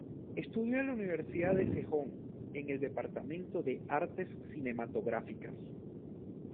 Estudió en la Universidad de Sejong en el departamento de artes cinematográficas.